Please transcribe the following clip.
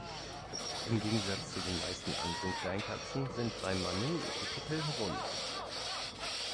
Im Gegensatz zu den meisten anderen Kleinkatzen sind beim Manul die Pupillen rund.